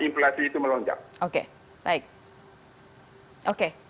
inflasi itu melonjak oke